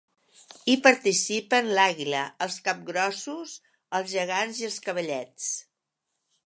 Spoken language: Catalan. Hi participen l’àguila, els capgrossos, els gegants i els cavallets.